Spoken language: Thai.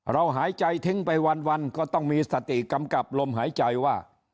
หายใจทิ้งไปวันก็ต้องมีสติกำกับลมหายใจว่า